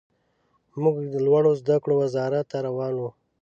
موږ لوړو زده کړو وزارت ته روان وو.